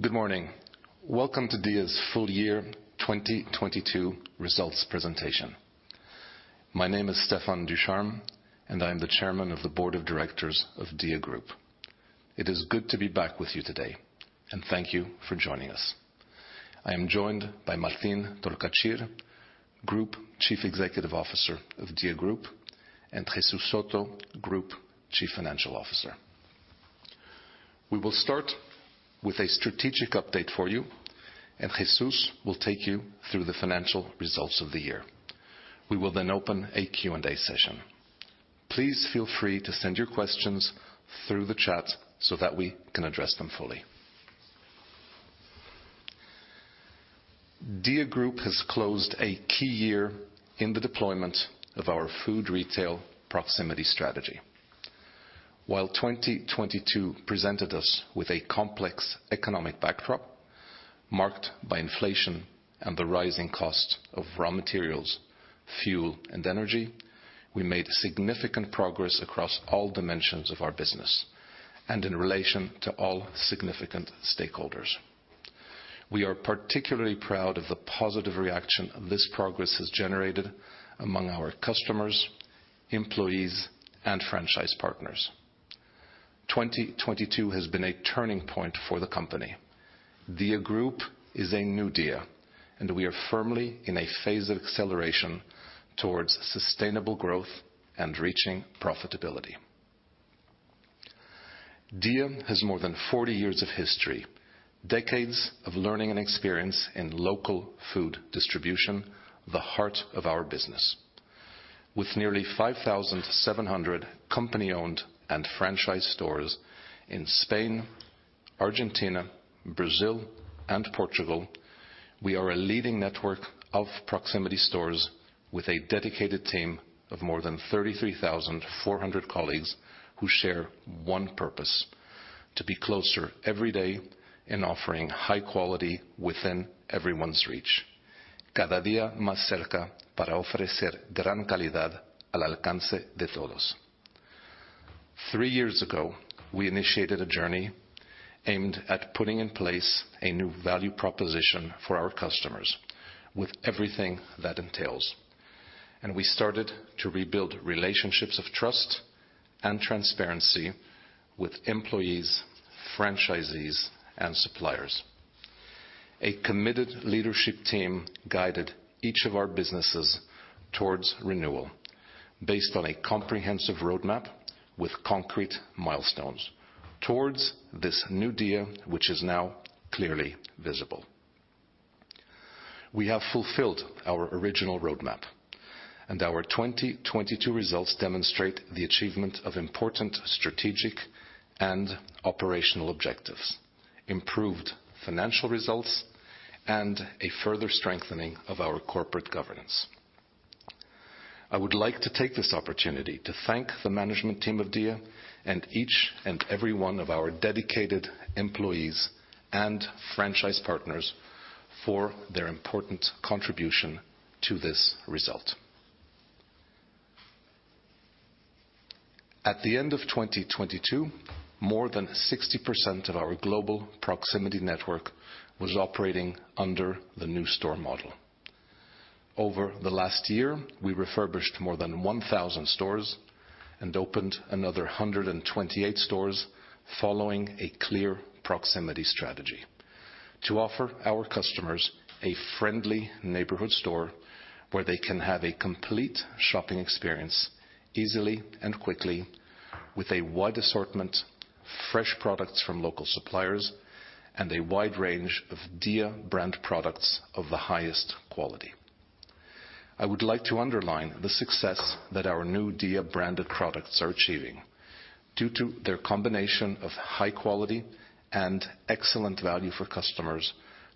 Good morning. Welcome to DIA's full year 2022 results presentation. My name is Stephan DuCharme, and I'm the Chairman of the Board of Directors of DIA Group. It is good to be back with you today, and thank you for joining us. I am joined by Martín Tolcachir, Group Chief Executive Officer of DIA Group, and Jesús Soto, Group Chief Financial Officer. We will start with a strategic update for you, and Jesús will take you through the financial results of the year. We will then open a Q&A session. Please feel free to send your questions through the chat so that we can address them fully. DIA Group has closed a key year in the deployment of our food retail proximity strategy. While 2022 presented us with a complex economic backdrop marked by inflation and the rising cost of raw materials, fuel, and energy, we made significant progress across all dimensions of our business and in relation to all significant stakeholders. We are particularly proud of the positive reaction this progress has generated among our customers, employees, and franchise partners. 2022 has been a turning point for the company. DIA Group is a new DIA, and we are firmly in a phase of acceleration towards sustainable growth and reaching profitability. DIA has more than 40 years of history, decades of learning and experience in local food distribution, the heart of our business. With nearly 5,700 company-owned and franchise stores in Spain, Argentina, Brazil, and Portugal, we are a leading network of proximity stores with a dedicated team of more than 33,400 colleagues who share one purpose, to be closer every day in offering high quality within everyone's reach. "Cada día más cerca para ofrecer gran calidad al alcance de todos." 3 years ago, we initiated a journey aimed at putting in place a new value proposition for our customers with everything that entails. We started to rebuild relationships of trust and transparency with employees, franchisees, and suppliers. A committed leadership team guided each of our businesses towards renewal based on a comprehensive roadmap with concrete milestones towards this new DIA, which is now clearly visible. We have fulfilled our original roadmap. Our 2022 results demonstrate the achievement of important strategic and operational objectives, improved financial results, and a further strengthening of our corporate governance. I would like to take this opportunity to thank the management team of DIA and each and every one of our dedicated employees and franchise partners for their important contribution to this result. At the end of 2022, more than 60% of our global proximity network was operating under the new store model. Over the last year, we refurbished more than 1,000 stores and opened another 128 stores following a clear proximity strategy to offer our customers a friendly neighborhood store where they can have a complete shopping experience easily and quickly with a wide assortment, fresh products from local suppliers, and a wide range of DIA brand products of the highest quality. I would like to underline the success that our new DIA branded products are achieving due to their combination of high quality and excellent value for customers,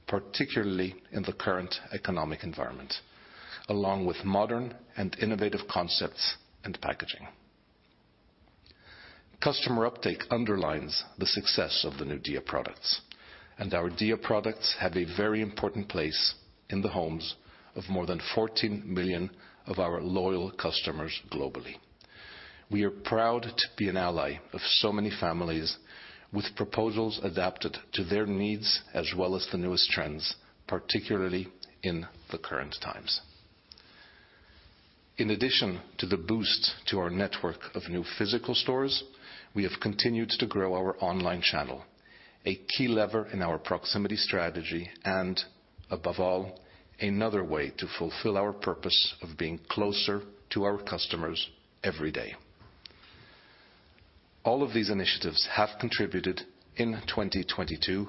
particularly in the current economic environment, along with modern and innovative concepts and packaging. Customer uptake underlines the success of the new DIA products. Our DIA products have a very important place in the homes of more than 14 million of our loyal customers globally. We are proud to be an ally of so many families with proposals adapted to their needs as well as the newest trends, particularly in the current times. In addition to the boost to our network of new physical stores, we have continued to grow our online channel, a key lever in our proximity strategy and above all, another way to fulfill our purpose of being closer to our customers every day. All of these initiatives have contributed in 2022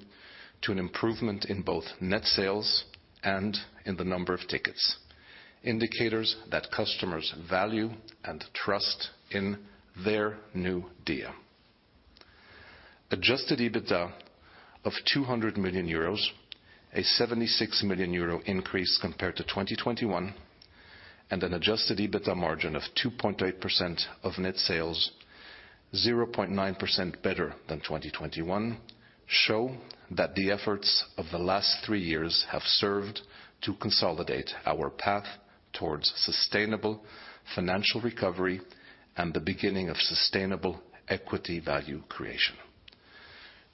to an improvement in both net sales and in the number of tickets, indicators that customers value and trust in their new DIA. Adjusted EBITDA of 200 million euros, a 76 million euro increase compared to 2021, and an Adjusted EBITDA margin of 2.8% of net sales, 0.9% better than 2021, show that the efforts of the last three years have served to consolidate our path towards sustainable financial recovery and the beginning of sustainable equity value creation.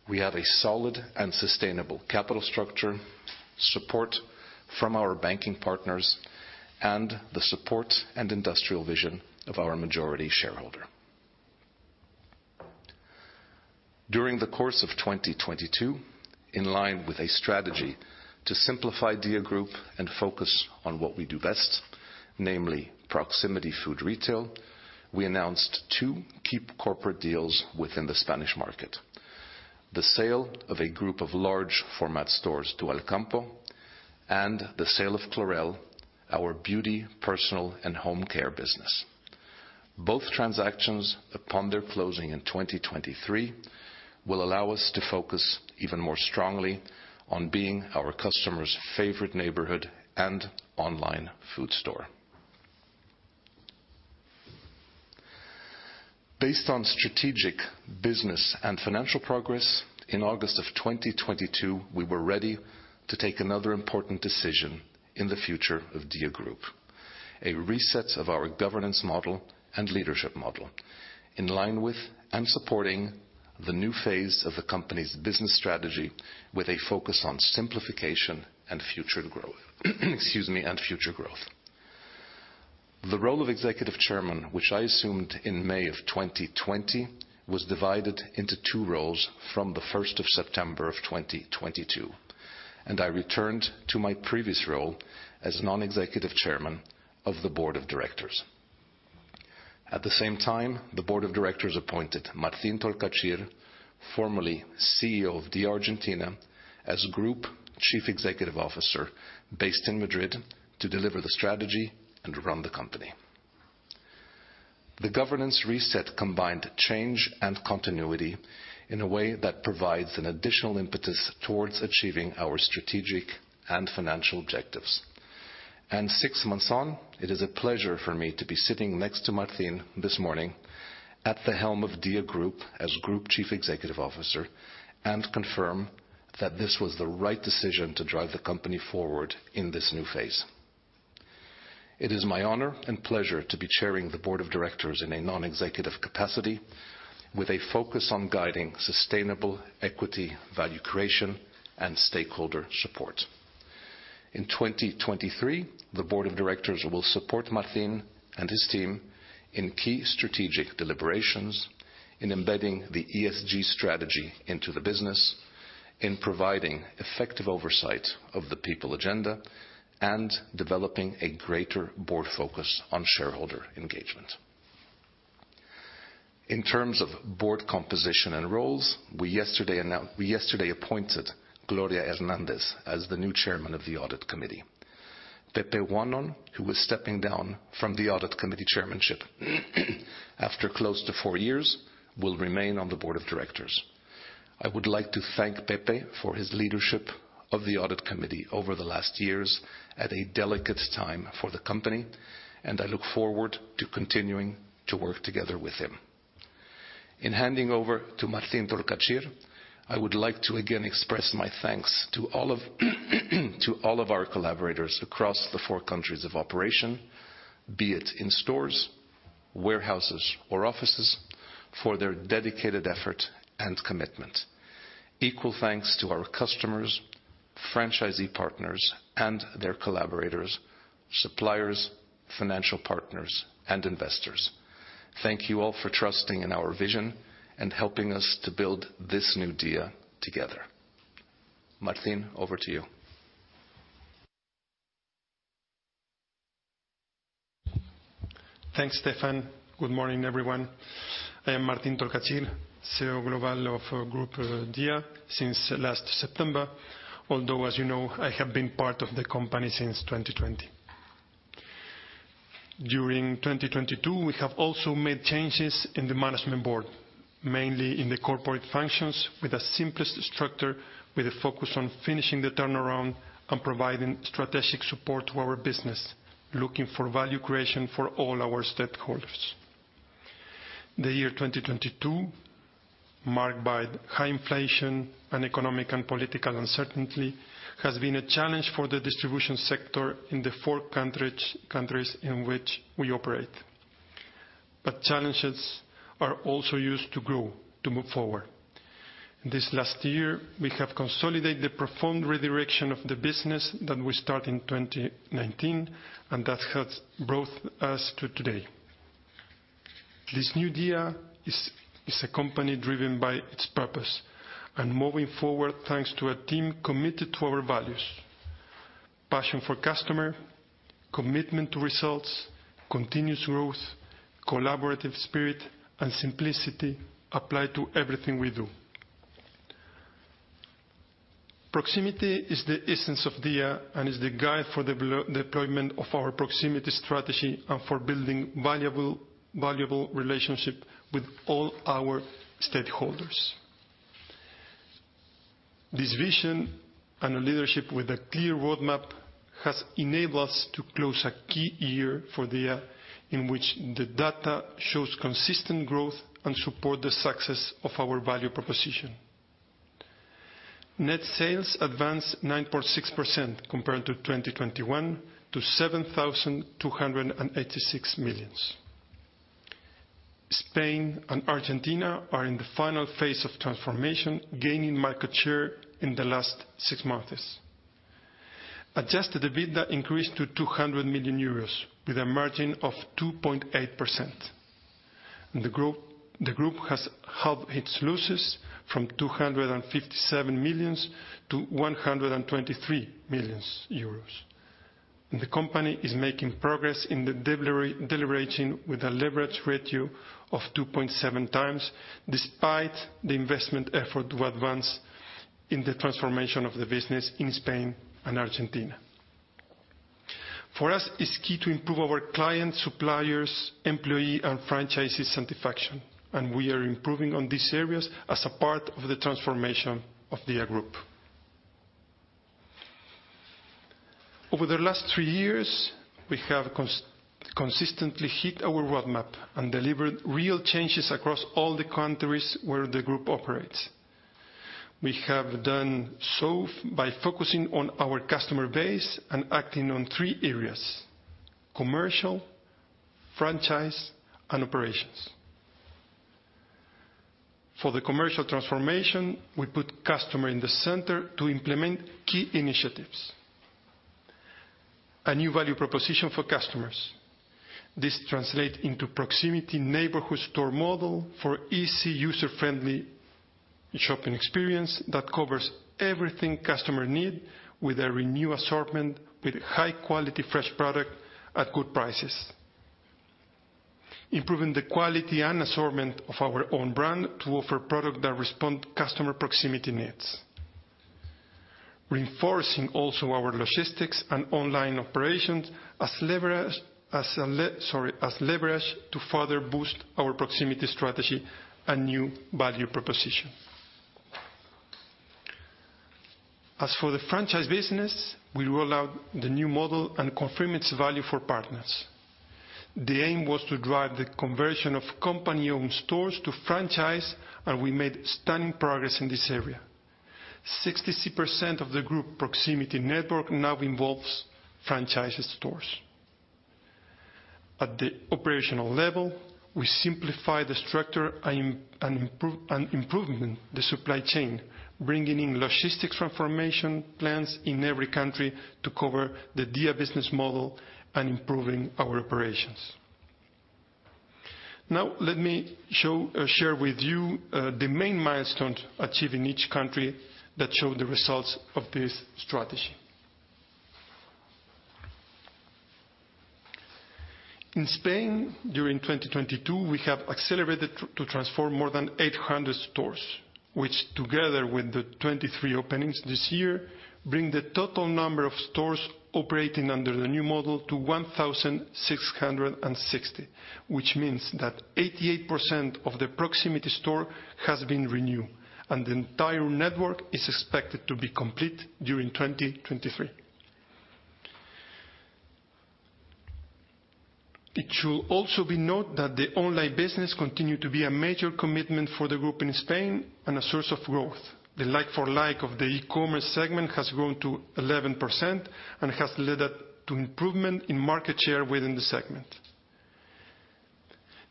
We have a solid and sustainable capital structure, support from our banking partners, and the support and industrial vision of our majority shareholder. During the course of 2022, in line with a strategy to simplify DIA Group and focus on what we do best, namely proximity food retail, we announced two key corporate deals within the Spanish market. The sale of a group of large format stores to Alcampo, and the sale of Clarel, our beauty, personal and home care business. Both transactions, upon their closing in 2023, will allow us to focus even more strongly on being our customers' favorite neighborhood and online food store. Based on strategic business and financial progress, in August of 2022, we were ready to take another important decision in the future of DIA Group, a reset of our governance model and leadership model in line with and supporting the new phase of the company's business strategy with a focus on simplification and future growth. Excuse me, and future growth. The role of executive chairman, which I assumed in May of 2020, was divided into two roles from the 1st of September of 2022, and I returned to my previous role as non-executive chairman of the board of directors. At the same time, the board of directors appointed Martín Tolcachir, formerly CEO of DIA Argentina, as Group Chief Executive Officer, based in Madrid, to deliver the strategy and run the company. The governance reset combined change and continuity in a way that provides an additional impetus towards achieving our strategic and financial objectives. Six months on, it is a pleasure for me to be sitting next to Martín this morning at the helm of DIA Group as Group Chief Executive Officer and confirm that this was the right decision to drive the company forward in this new phase. It is my honor and pleasure to be chairing the board of directors in a non-executive capacity with a focus on guiding sustainable equity, value creation and stakeholder support. In 2023, the board of directors will support Martín and his team in key strategic deliberations in embedding the ESG strategy into the business, in providing effective oversight of the people agenda, and developing a greater board focus on shareholder engagement. In terms of board composition and roles, we yesterday appointed Gloria Hernández as the new Chairman of the audit committee. Pepe Juanon, who was stepping down from the audit committee chairmanship after close to four years, will remain on the board of directors. I would like to thank Pepe for his leadership of the Audit Committee over the last years at a delicate time for the company. I look forward to continuing to work together with him. In handing over to Martín Tolcachir, I would like to again express my thanks to all of our collaborators across the 4 countries of operation, be it in stores, warehouses, or offices, for their dedicated effort and commitment. Equal thanks to our customers, franchisee partners and their collaborators, suppliers, financial partners and investors. Thank you all for trusting in our vision and helping us to build this new DIA together. Martín, over to you. Thanks, Stephan. Good morning, everyone. I am Martín Tolcachir, CEO Global of Grupo DIA since last September. As you know, I have been part of the company since 2020. During 2022, we have also made changes in the management board, mainly in the corporate functions with a simplest structure, with a focus on finishing the turnaround and providing strategic support to our business, looking for value creation for all our stakeholders. The year 2022, marked by high inflation and economic and political uncertainty, has been a challenge for the distribution sector in the four countries in which we operate. Challenges are also used to grow, to move forward. This last year, we have consolidated the profound redirection of the business that we start in 2019, and that has brought us to today. This new DIA is a company driven by its purpose and moving forward thanks to a team committed to our values. Passion for customer, commitment to results, continuous growth, collaborative spirit and simplicity apply to everything we do. Proximity is the essence of DIA and is the guide for deployment of our proximity strategy and for building valuable relationship with all our stakeholders. This vision and a leadership with a clear roadmap has enabled us to close a key year for DIA in which the data shows consistent growth and support the success of our value proposition. Net sales advanced 9.6% compared to 2021 to 7,286 million. Spain and Argentina are in the final phase of transformation, gaining market share in the last 6 months. Adjusted EBITDA increased to 200 million euros with a margin of 2.8%. The group has halved its losses from 257 million to 123 million euros. The company is making progress in deleveraging with a leverage ratio of 2.7 times, despite the investment effort to advance in the transformation of the business in Spain and Argentina. For us, it's key to improve our clients, suppliers, employee and franchises satisfaction, and we are improving on these areas as a part of the transformation of Grupo DIA. Over the last three years, we have consistently hit our roadmap and delivered real changes across all the countries where the group operates. We have done so by focusing on our customer base and acting on three areas: commercial, franchise, and operations. For the commercial transformation, we put customer in the center to implement key initiatives. A new value proposition for customers. This translate into proximity neighborhood store model for easy, user-friendly shopping experience that covers everything customer need with a renewed assortment, with high-quality fresh product at good prices. Improving the quality and assortment of our own brand to offer product that respond customer proximity needs. Reinforcing also our logistics and online operations as leverage to further boost our proximity strategy and new value proposition. For the franchise business, we roll out the new model and confirm its value for partners. The aim was to drive the conversion of company-owned stores to franchise. We made stunning progress in this area. 63% of the group proximity network now involves franchise stores. At the operational level, we simplify the structure and improve, and improvement the supply chain, bringing in logistics transformation plans in every country to cover the DIA business model and improving our operations. Now let me share with you the main milestones achieved in each country that show the results of this strategy. In Spain, during 2022, we have accelerated to transform more than 800 stores, which together with the 23 openings this year, bring the total number of stores operating under the new model to 1,660, which means that 88% of the proximity store has been renewed, and the entire network is expected to be complete during 2023. It should also be noted that the online business continue to be a major commitment for the group in Spain and a source of growth. The like-for-like of the e-commerce segment has grown to 11% and has led up to improvement in market share within the segment.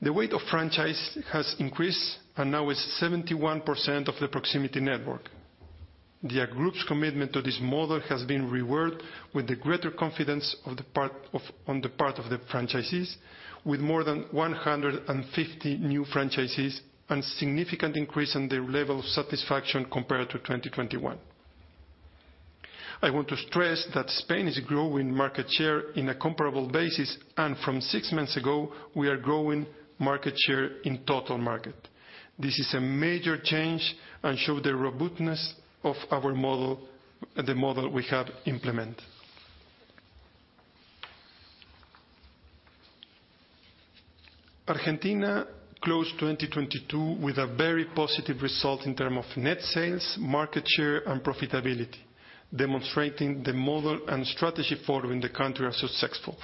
The weight of franchise has increased and now is 71% of the proximity network. Grupo DIA's commitment to this model has been rewarded with the greater confidence on the part of the franchisees, with more than 150 new franchisees and significant increase in their level of satisfaction compared to 2021. I want to stress that Spain is growing market share in a comparable basis, and from six months ago, we are growing market share in total market. This is a major change and show the robustness of our model, the model we have implemented. Argentina closed 2022 with a very positive result in term of net sales, market share and profitability, demonstrating the model and strategy forward in the country are successful.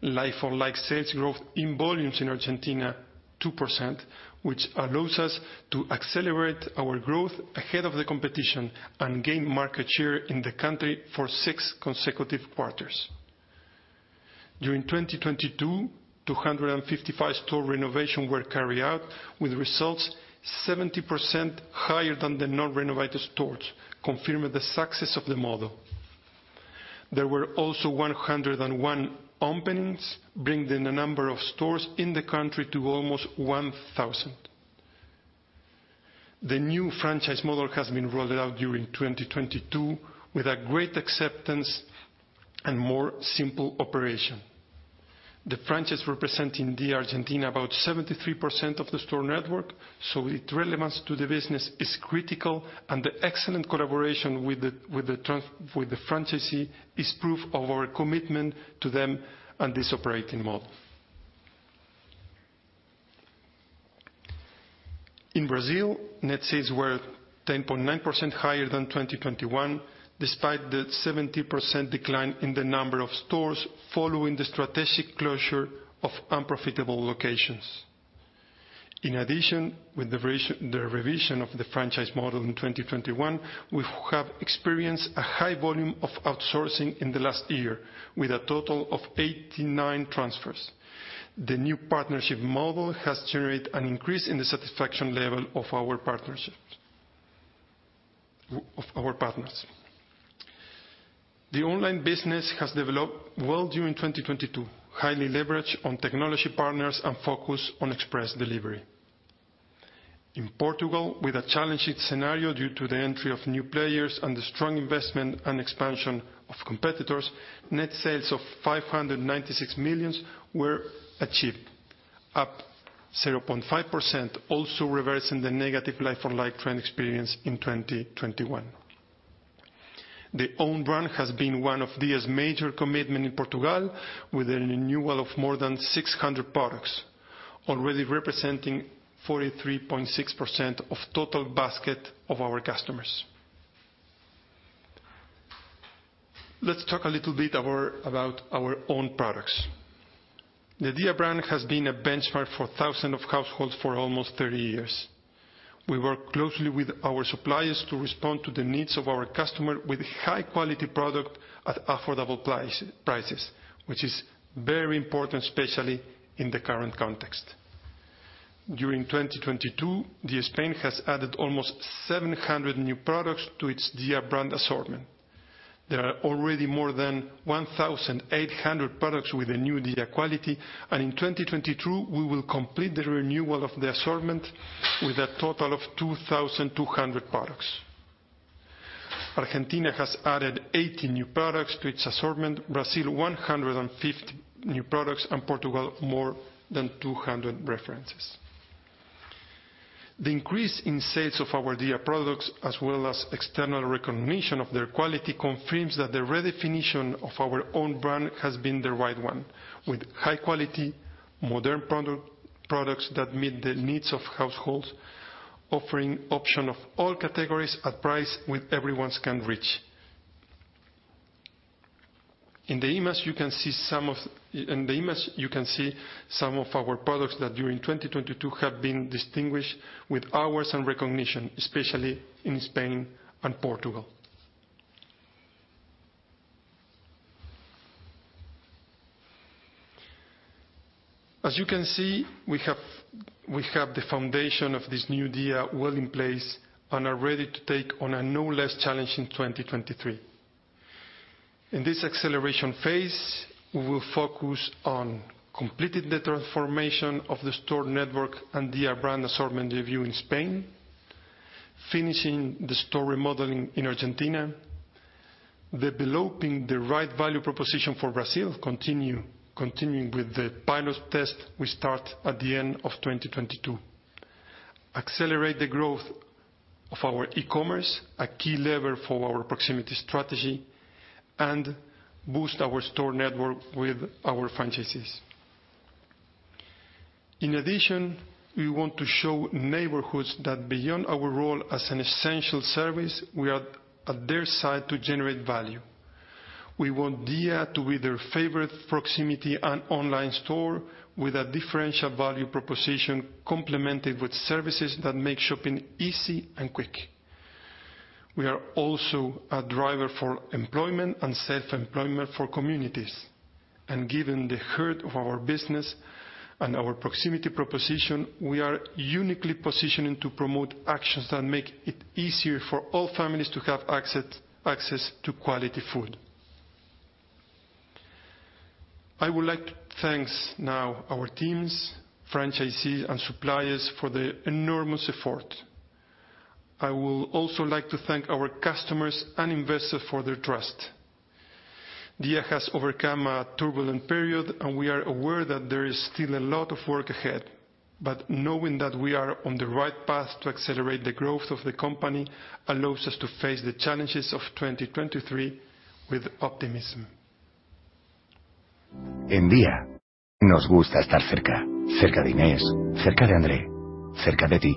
Like-for-like sales growth in volumes in Argentina, 2%, which allows us to accelerate our growth ahead of the competition and gain market share in the country for 6 consecutive quarters. During 2022, 255 store renovation were carried out with results 70% higher than the non-renovated stores, confirming the success of the model. There were also 101 openings, bringing the number of stores in the country to almost 1,000. The new franchise model has been rolled out during 2022 with a great acceptance and more simple operation. The franchise represent in Argentina about 73% of the store network, its relevance to the business is critical and the excellent collaboration with the franchisee is proof of our commitment to them and this operating model. In Brazil, net sales were 10.9% higher than 2021, despite the 70% decline in the number of stores following the strategic closure of unprofitable locations. In addition, with the revision of the franchise model in 2021, we have experienced a high volume of outsourcing in the last year, with a total of 89 transfers. The new partnership model has generated an increase in the satisfaction level of our partners. The online business has developed well during 2022, highly leveraged on technology partners and focused on express delivery. In Portugal, with a challenging scenario due to the entry of new players and the strong investment and expansion of competitors, net sales of 596 million were achieved, up 0.5%, also reversing the negative like-for-like trend experienced in 2021. The own brand has been one of DIA's major commitment in Portugal, with a renewal of more than 600 products, already representing 43.6% of total basket of our customers. Let's talk a little bit about our own products. The DIA brand has been a benchmark for thousands of households for almost 30 years. We work closely with our suppliers to respond to the needs of our customer with high quality product at affordable prices, which is very important, especially in the current context. During 2022, DIA Spain has added almost 700 new products to its DIA brand assortment. There are already more than 1,800 products with the new DIA quality, and in 2022, we will complete the renewal of the assortment with a total of 2,200 products. Argentina has added 80 new products to its assortment, Brazil, 150 new products, and Portugal, more than 200 references. The increase in sales of our DIA products, as well as external recognition of their quality, confirms that the redefinition of our own brand has been the right one, with high quality, modern products that meet the needs of households, offering option of all categories at price with everyone's can reach. In the image, you can see some of our products that during 2022 have been distinguished with awards and recognition, especially in Spain and Portugal. You can see, we have the foundation of this new DIA well in place and are ready to take on a no less challenge in 2023. In this acceleration phase, we will focus on completing the transformation of the store network and DIA brand assortment review in Spain, finishing the store remodeling in Argentina, developing the right value proposition for Brazil, continuing with the pilot test we start at the end of 2022, accelerate the growth of our e-commerce, a key lever for our proximity strategy and boost our store network with our franchisees. In addition, we want to show neighborhoods that beyond our role as an essential service, we are at their side to generate value. We want DIA to be their favorite proximity and online store with a differential value proposition complemented with services that make shopping easy and quick. We are also a driver for employment and self-employment for communities. Given the heart of our business and our proximity proposition, we are uniquely positioning to promote actions that make it easier for all families to have access to quality food. I would like to thank now our teams, franchisees, and suppliers for the enormous effort. I would also like to thank our customers and investors for their trust. DIA has overcome a turbulent period, and we are aware that there is still a lot of work ahead. Knowing that we are on the right path to accelerate the growth of the company allows us to face the challenges of 2023 with optimism. En DIA, nos gusta estar cerca. Cerca de Inés, cerca de André, cerca de ti.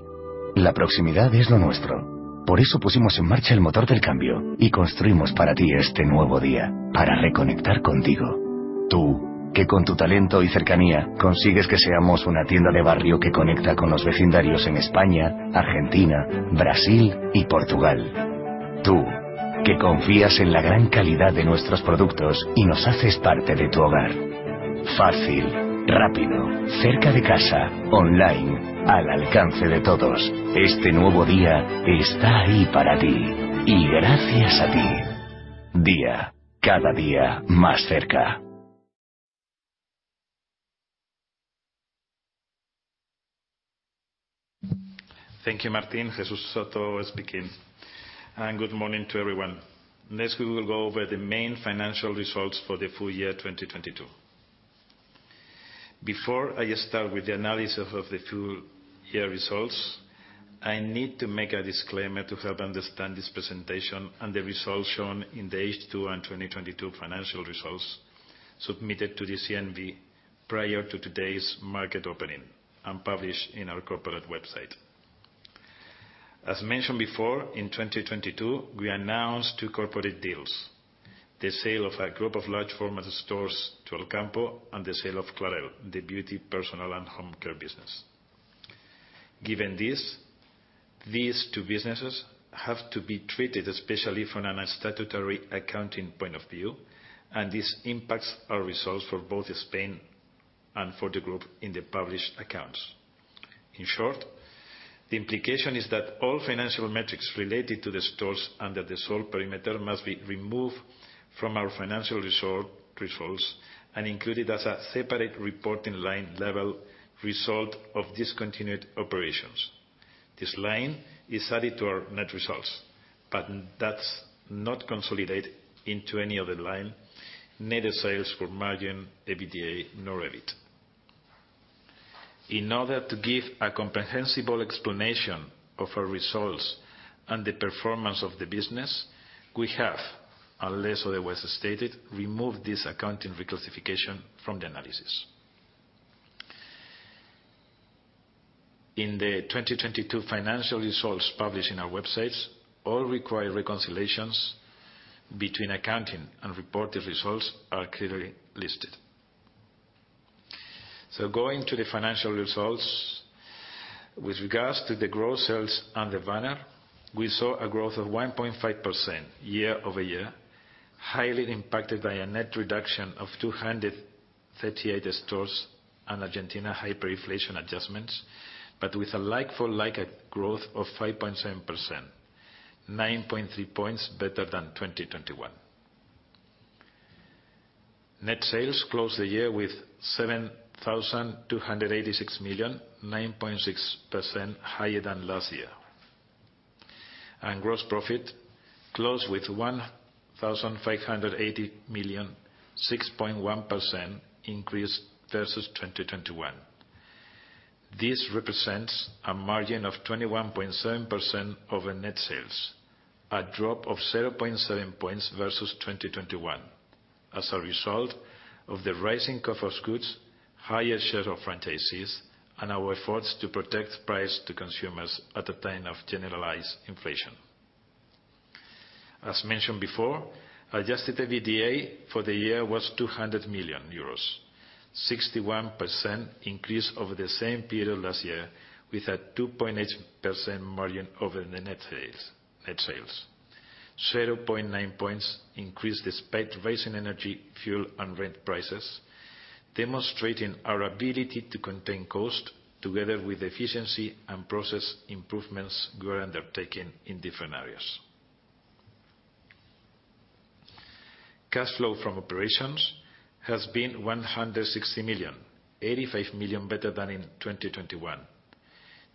La proximidad es lo nuestro. Por eso pusimos en marcha el motor del cambio y construimos para ti este nuevo DIA, para reconectar contigo. Tú, que con tu talento y cercanía consigues que seamos una tienda de barrio que conecta con los vecindarios en España, Argentina, Brasil y Portugal. Tú, que confías en la gran calidad de nuestros productos y nos haces parte de tu hogar. Fácil, rápido, cerca de casa, online, al alcance de todos. Este nuevo DIA está ahí para ti y gracias a ti. DIA, cada día más cerca. Thank you, Martín. Jesús Soto speaking. Good morning to everyone. Next, we will go over the main financial results for the full year 2022. Before I start with the analysis of the full year results, I need to make a disclaimer to help understand this presentation and the results shown in the H2 and 2022 financial results submitted to the CNMV prior to today's market opening and published in our corporate website. As mentioned before, in 2022, we announced two corporate deals. The sale of a group of large format stores to Alcampo and the sale of Clarel, the beauty, personal, and home care business. Given this, these two businesses have to be treated, especially from an statutory accounting point of view, and this impacts our results for both Spain and for the group in the published accounts. In short, the implication is that all financial metrics related to the stores under this whole perimeter must be removed from our financial results and included as a separate reporting line level result of discontinued operations. This line is added to our net results, but that's not consolidated into any other line, neither sales or margin, EBITDA, nor EBIT. In order to give a comprehensible explanation of our results and the performance of the business, we have, unless otherwise stated, removed this accounting reclassification from the analysis. In the 2022 financial results published in our websites, all required reconciliations between accounting and reported results are clearly listed. Going to the financial results. With regards to the gross sales under banner, we saw a growth of 1.5% year-over-year, highly impacted by a net reduction of 238 stores and Argentina hyperinflation adjustments, but with a like-for-like growth of 5.7%, 9.3 points better than 2021. Net sales closed the year with 7,286 million, 9.6% higher than last year. Gross profit closed with 1,580 million, 6.1% increase versus 2021. This represents a margin of 21.7% over Net sales, a drop of 0.7 points versus 2021 as a result of the rising cost of goods, higher share of franchises, and our efforts to protect price to consumers at a time of generalized inflation. As mentioned before, Adjusted EBITDA for the year was 200 million euros, 61% increase over the same period last year with a 2.8% margin over the Net sales. 0.9 points increased despite rising energy, fuel, and rent prices, demonstrating our ability to contain cost together with efficiency and process improvements we are undertaking in different areas. Cash flow from operations has been 160 million, 85 million better than in 2021.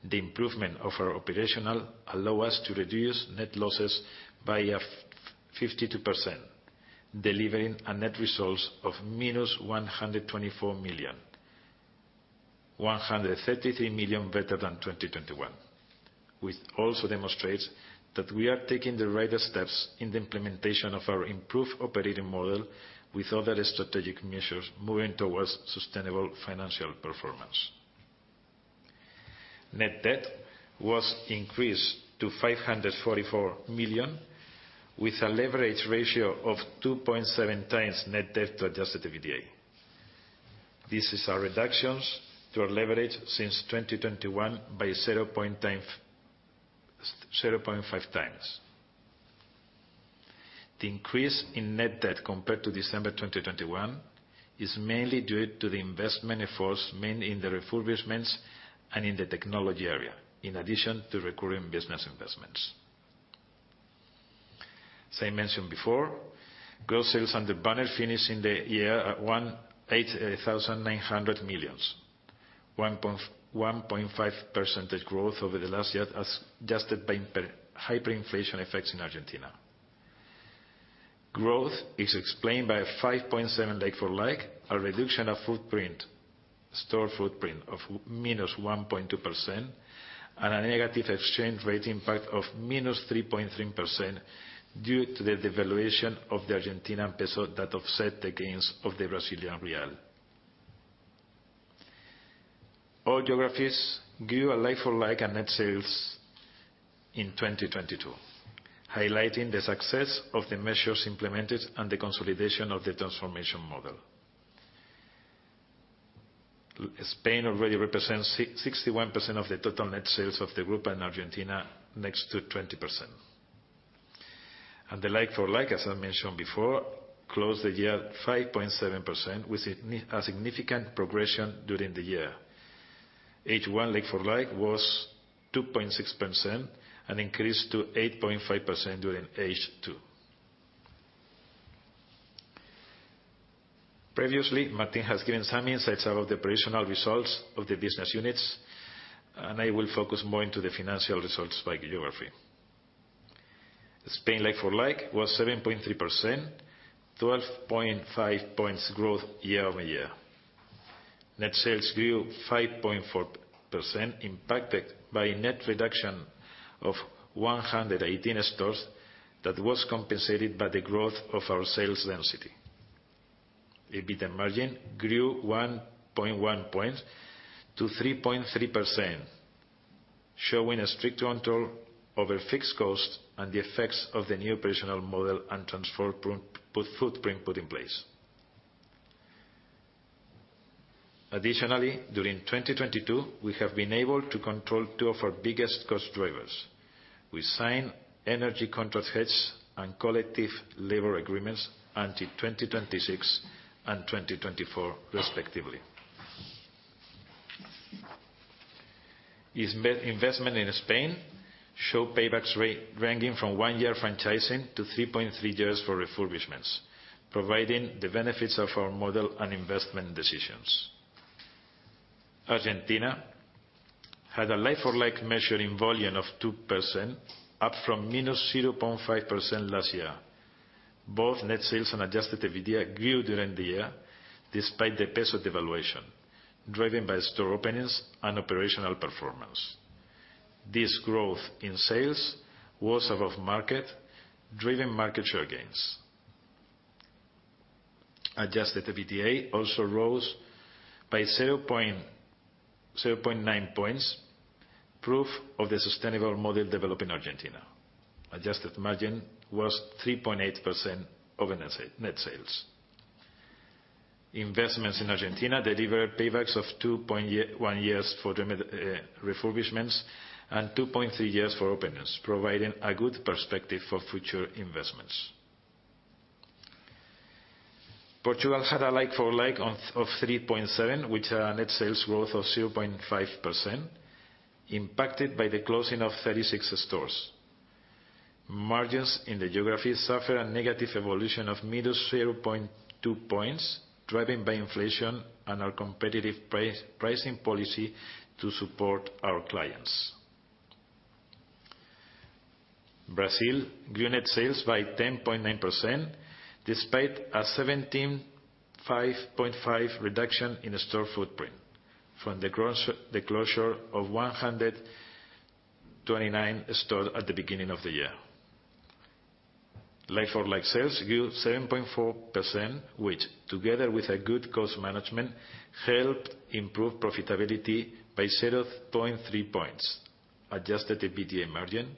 The improvement of our operational allow us to reduce net losses by a 52%, delivering a net results of -124 million, 133 million better than 2021, which also demonstrates that we are taking the right steps in the implementation of our improved operating model with other strategic measures moving towards sustainable financial performance. Net debt was increased to 544 million, with a leverage ratio of 2.7 times net debt to Adjusted EBITDA. This is our reductions to our leverage since 2021 by 0.5 times. The increase in net debt compared to December 2021 is mainly due to the investment efforts made in the refurbishments and in the technology area, in addition to recurring business investments. As I mentioned before, gross sales under banner finished in the year at 8,900 million, 1.5% growth over the last year as adjusted by per hyperinflation effects in Argentina. Growth is explained by a 5.7% like-for-like, a reduction of footprint, store footprint of -1.2%, and a negative exchange rate impact of -3.3% due to the devaluation of the Argentinian peso that offset the gains of the Brazilian real. All geographies give a like-for-like and net sales in 2022, highlighting the success of the measures implemented and the consolidation of the transformation model. Spain already represents 61% of the total net sales of the group, and Argentina next to 20%. The like-for-like, as I mentioned before, closed the year at 5.7% with a significant progression during the year. H1 like-for-like was 2.6% and increased to 8.5% during H2. Previously, Martin has given some insights about the operational results of the business units, and I will focus more into the financial results by geography. Spain like-for-like was 7.3%, 12.5 points growth year-over-year. Net sales grew 5.4% impacted by net reduction of 118 stores that was compensated by the growth of our sales density. EBITDA margin grew 1.1 points to 3.3%, showing a strict control over fixed cost and the effects of the new operational model and transform footprint put in place. Additionally, during 2022, we have been able to control two of our biggest cost drivers. We sign energy contract hedge and collective labor agreements until 2026 and 2024 respectively. Investment in Spain show paybacks ranging from 1 year franchising to 3.3 years for refurbishments, providing the benefits of our model and investment decisions. Argentina had a like-for-like measure in volume of 2%, up from -0.5% last year. Both net sales and Adjusted EBITDA grew during the year despite the peso devaluation, driven by store openings and operational performance. This growth in sales was above market, driven market share gains. Adjusted EBITDA also rose by 0.9 points, proof of the sustainable model developed in Argentina. Adjusted margin was 3.8% of net sales. Investments in Argentina delivered paybacks of 2.1 years for the mid refurbishments and 2.3 years for openings, providing a good perspective for future investments. Portugal had a like-for-like of 3.7%, with a net sales growth of 0.5% impacted by the closing of 36 stores. Margins in the geography suffer a negative evolution of -0.2 points, driven by inflation and our competitive pricing policy to support our clients. Brazil grew net sales by 10.9% despite a 17.5% reduction in the store footprint from the closure of 129 stores at the beginning of the year. Like-for-like sales grew 7.4%, which together with a good cost management, helped improve profitability by 0.3 points. Adjusted EBITDA margin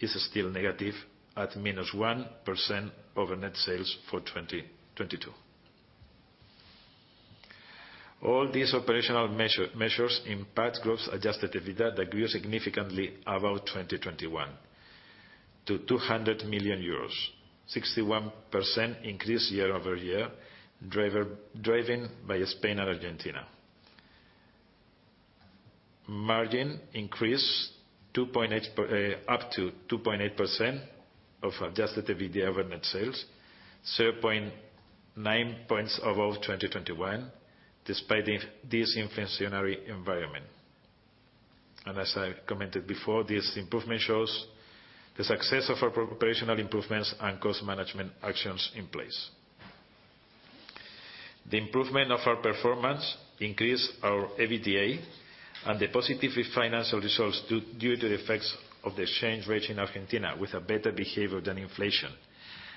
is still negative at minus 1% over net sales for 2022. All these operational measures impact group's Adjusted EBITDA that grew significantly above 2021 to 200 million euros, 61% increase year-over-year, driven by Spain and Argentina. Margin increased 2.8, up to 2.8% of Adjusted EBITDA over net sales, 0.9 points above 2021 despite this inflationary environment. As I commented before, this improvement shows the success of our operational improvements and cost management actions in place. The improvement of our performance increased our EBITDA and the positive financial results due to the effects of the exchange rate in Argentina with a better behavior than inflation,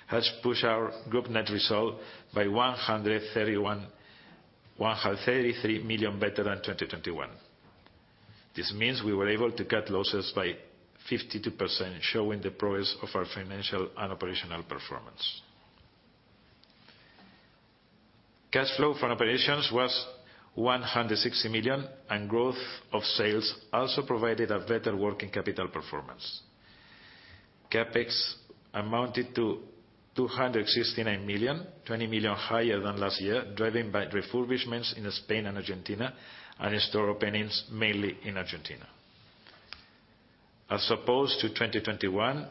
has pushed our group net result by 133 million better than 2021. This means we were able to cut losses by 52%, showing the progress of our financial and operational performance. Cash flow from operations was 160 million, growth of sales also provided a better working capital performance. CapEx amounted to 269 million, 20 million higher than last year, driven by refurbishments in Spain and Argentina, and store openings mainly in Argentina. As opposed to 2021,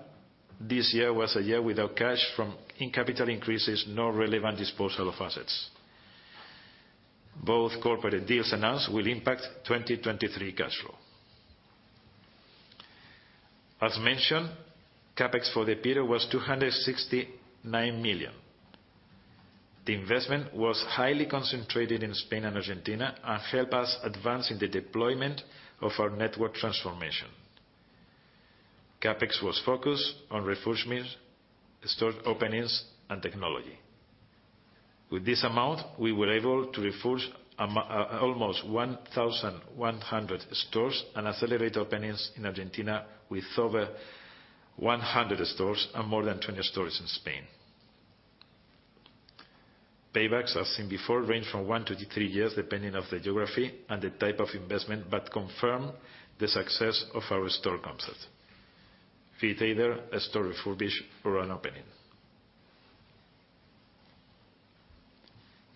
this year was a year without cash from in-capital increases, nor relevant disposal of assets. Both corporate deals announced will impact 2023 cash flow. As mentioned, CapEx for the period was 269 million. The investment was highly concentrated in Spain and Argentina and help us advance in the deployment of our network transformation. CapEx was focused on refurbishment, store openings, and technology. With this amount, we were able to refurbish almost 1,100 stores and accelerate openings in Argentina with over 100 stores and more than 20 stores in Spain. Paybacks, as seen before, range from 1-3 years depending on the geography and the type of investment, but confirm the success of our store concept, be it either a store refurbish or an opening.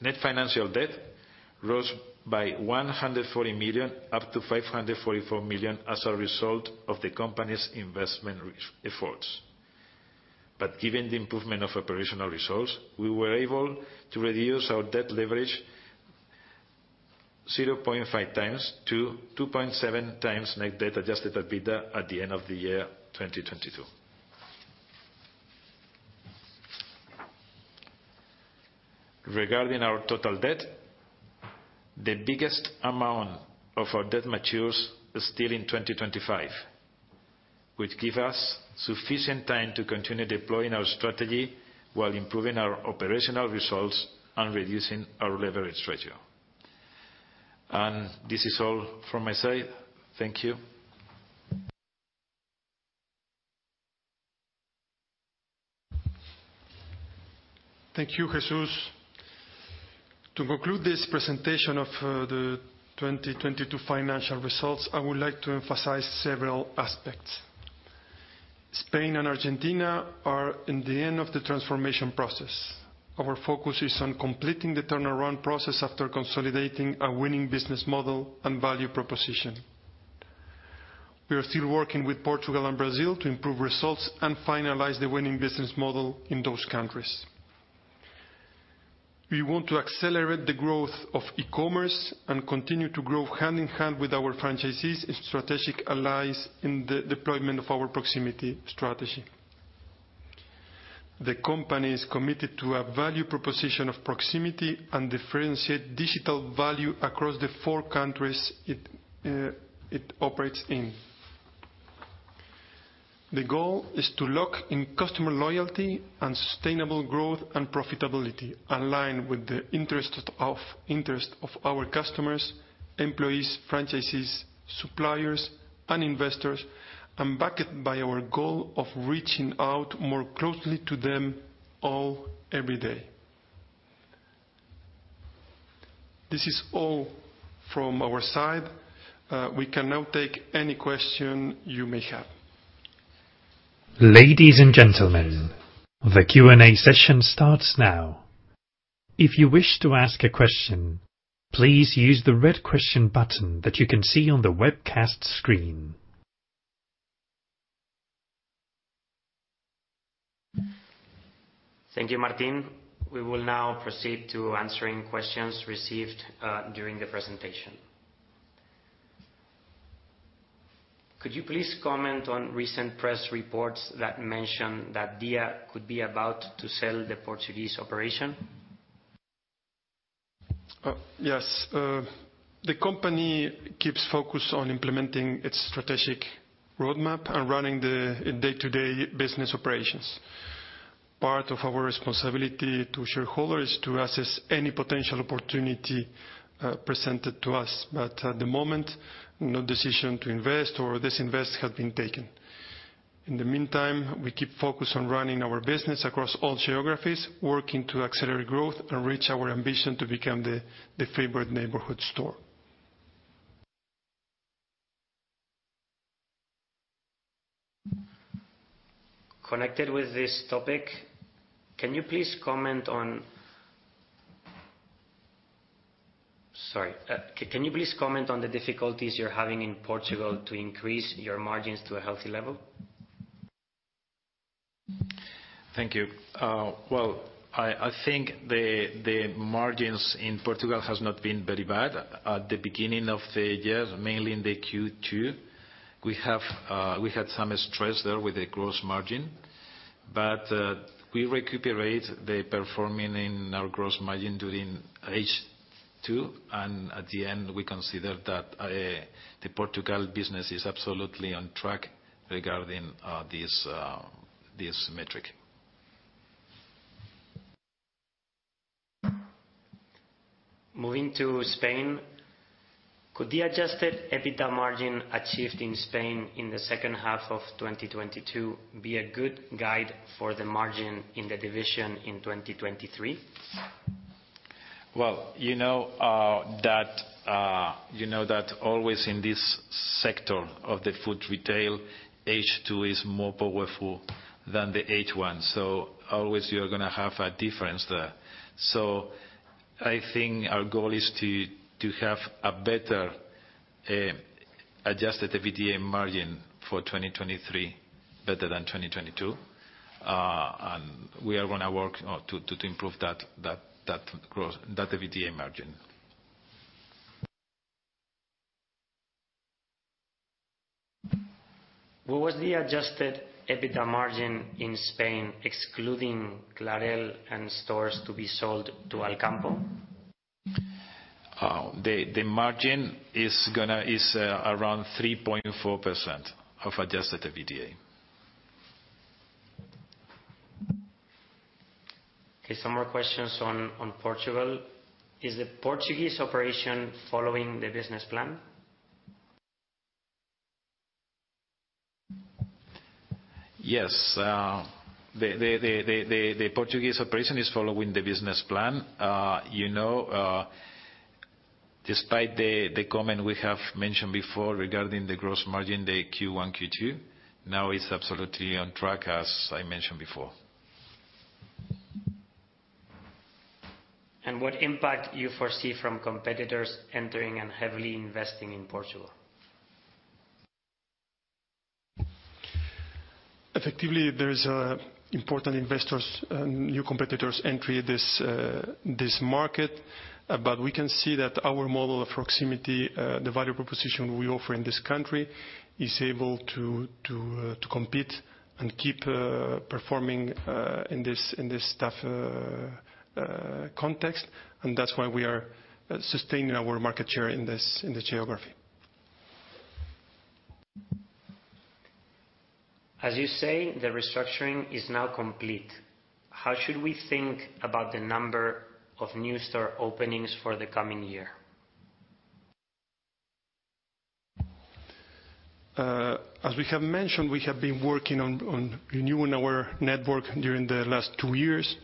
Net financial debt rose by 140 million, up to 544 million as a result of the company's investment efforts. Given the improvement of operational results, we were able to reduce our debt leverage 0.5 times to 2.7 times net debt Adjusted EBITDA at the end of 2022. Regarding our total debt. The biggest amount of our debt matures still in 2025, which give us sufficient time to continue deploying our strategy while improving our operational results and reducing our leverage ratio. This is all from my side. Thank you. Thank you, Jesús. To conclude this presentation of the 2022 financial results, I would like to emphasize several aspects. Spain and Argentina are in the end of the transformation process. Our focus is on completing the turnaround process after consolidating a winning business model and value proposition. We are still working with Portugal and Brazil to improve results and finalize the winning business model in those countries. We want to accelerate the growth of e-commerce and continue to grow hand-in-hand with our franchisees and strategic allies in the deployment of our proximity strategy. The company is committed to a value proposition of proximity and differentiate digital value across the four countries it operates in. The goal is to lock in customer loyalty and sustainable growth and profitability aligned with the interest of our customers, employees, franchises, suppliers, and investors, and backed by our goal of reaching out more closely to them all every day. This is all from our side. We can now take any question you may have. Ladies and gentlemen, the Q&A session starts now. If you wish to ask a question, please use the red Question button that you can see on the webcast screen. Thank you, Martín. We will now proceed to answering questions received during the presentation. Could you please comment on recent press reports that mention that DIA could be about to sell the Portuguese operation? Yes. The company keeps focused on implementing its strategic roadmap and running the day-to-day business operations. Part of our responsibility to shareholders is to assess any potential opportunity presented to us. At the moment, no decision to invest or disinvest has been taken. In the meantime, we keep focused on running our business across all geographies, working to accelerate growth and reach our ambition to become the favorite neighborhood store. Connected with this topic, Sorry. Can you please comment on the difficulties you're having in Portugal to increase your margins to a healthy level? Thank you. Well, I think the margins in Portugal has not been very bad. At the beginning of the year, mainly in the Q2, we had some stress there with the gross margin, but we recuperate the performing in our gross margin during H2, and at the end, we consider that the Portugal business is absolutely on track regarding this metric. Moving to Spain, could the Adjusted EBITDA margin achieved in Spain in the second half of 2022 be a good guide for the margin in the division in 2023? Well, you know, that you know that always in this sector of the food retail, H2 is more powerful than the H1. Always you're gonna have a difference there. I think our goal is to have a better Adjusted EBITDA margin for 2023 better than 2022. We are gonna work to improve that gross, that EBITDA margin. What was the Adjusted EBITDA margin in Spain excluding Clarel and stores to be sold to Alcampo? the margin is gonna, is, around 3.4% of Adjusted EBITDA. Okay. Some more questions on Portugal. Is the Portuguese operation following the business plan? Yes. The Portuguese operation is following the business plan. You know, despite the comment we have mentioned before regarding the gross margin, the Q1, Q2, now is absolutely on track as I mentioned before. What impact you foresee from competitors entering and heavily investing in Portugal? Effectively, there's important investors and new competitors entry this market. We can see that our model of proximity, the value proposition we offer in this country is able to compete and keep performing in this tough context. That's why we are sustaining our market share in this, in the geography. As you say, the restructuring is now complete. How should we think about the number of new store openings for the coming year? As we have mentioned, we have been working on renewing our network during the last two years.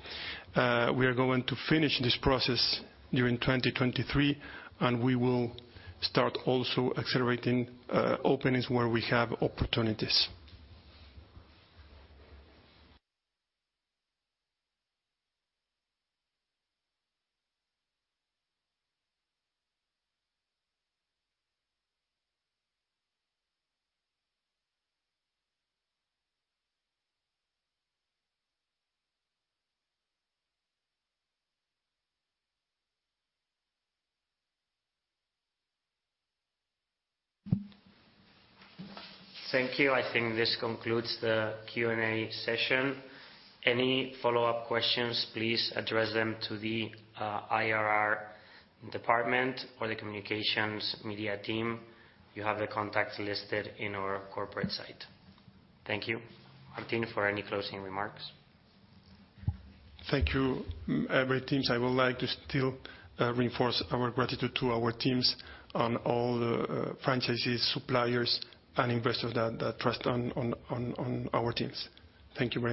We are going to finish this process during 2023, and we will start also accelerating openings where we have opportunities. Thank you. I think this concludes the Q&A session. Any follow-up questions, please address them to the IR department or the communications media team. You have the contacts listed in our corporate site. Thank you. Martín, for any closing remarks. Thank you, every teams. I would like to still reinforce our gratitude to our teams on all the franchisees, suppliers and investors that trust on our teams. Thank you very much.